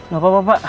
gak apa apa pak